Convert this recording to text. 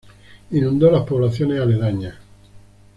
Inundó las poblaciones aledañas.